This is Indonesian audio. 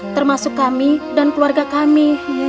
termasuk kami dan keluarga kami